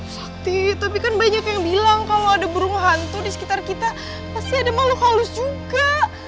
sakit tapi kan banyak yang bilang kalau ada burung hantu di sekitar kita pasti ada malu halus juga